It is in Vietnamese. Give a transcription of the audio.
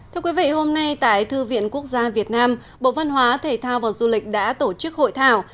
thưa quý vị hôm nay tại thư viện quốc gia việt nam bộ văn hóa thể thao và du lịch đã tổ chức hội thảo